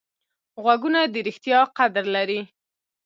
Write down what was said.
غوږونه د ریښتیا قدر لري